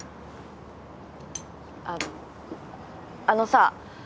あのさ。